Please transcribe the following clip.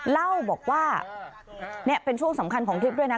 เล่าบอกว่านี่เป็นช่วงสำคัญของคลิปด้วยนะ